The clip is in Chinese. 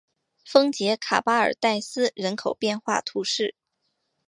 丰捷卡巴尔代斯人口变化图示